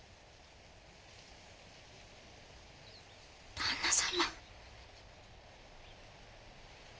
旦那様。